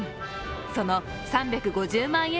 その３５０万円